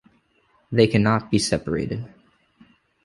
They cannot be separated.